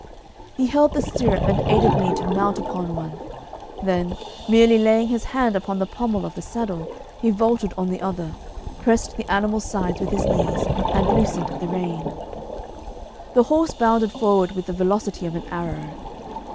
He held the stirrup and aided me to mount upon one; then, merely laying his hand upon the pommel of the saddle, he vaulted on the other, pressed the animal's sides with his knees, and loosened rein. The horse bounded forward with the velocity of an arrow.